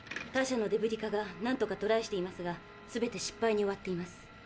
他社のデブリ課が何度かトライしていますが全て失敗に終わっています。